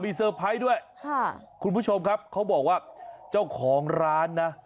เตอร์ไพรส์ด้วยค่ะคุณผู้ชมครับเขาบอกว่าเจ้าของร้านนะ